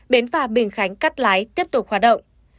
bến phà bình khánh cắt lái tiếp tục hoạt động